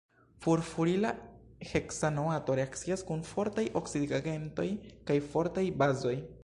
Furfurila heksanoato reakcias kun fortaj oksidigagentoj kaj fortaj bazoj.